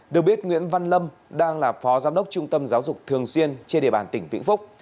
được biết nguyễn văn lâm đang là phó giám đốc trung tâm giáo dục thường xuyên trên địa bàn tỉnh vĩnh phúc